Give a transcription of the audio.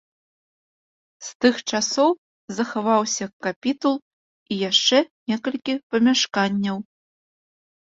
З тых часоў захаваўся капітул і яшчэ некалькі памяшканняў.